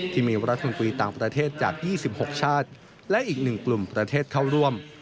ที่มีรัฐมนตรีต่างประเทศจาก๒๖ชาติและอีก๑กลุ่มประเทศเข้าร่วม